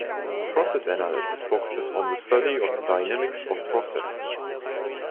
Process Analysis focuses on the study of the dynamics of processes.